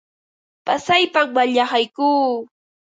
Pasaypam mallaqaykuu.